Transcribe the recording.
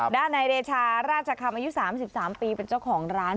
ด้านในเดชาราชคำอายุ๓๓ปีเป็นเจ้าของร้าน